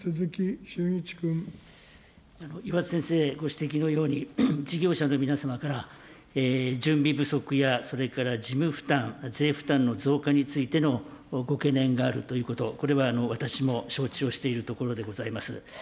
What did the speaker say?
岩田先生ご指摘のように、事業者の皆様から、準備不足やそれから事務負担、税負担の増加についてのご懸念があるということ、これは私も承知をしているところでございます。